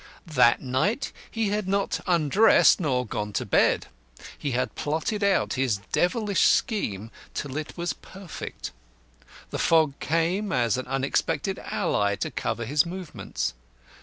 That night he had not undressed nor gone to bed; he had plotted out his devilish scheme till it was perfect; the fog came as an unexpected ally to cover his movements.